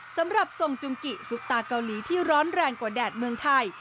สำหรับทรงจุงกิซุปตาเกาหลีที่ร้อนแรงกว่าแดดเมืองไทย